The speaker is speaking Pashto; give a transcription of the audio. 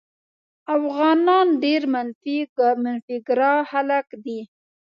افغانان ډېر منفي ګرا خلک دي.